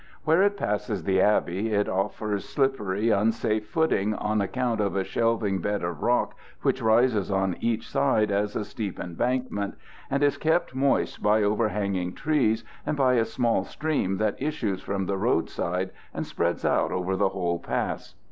Where it passes the abbey it offers slippery, unsafe footing on account of a shelving bed of rock which rises on each side as a steep embankment, and is kept moist by overhanging trees and by a small stream that issues from the road side and spreads out over the whole pass.